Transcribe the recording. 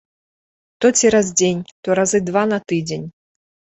То цераз дзень, то разы два на тыдзень.